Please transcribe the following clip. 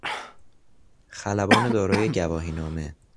خلبان دارای گواهینامه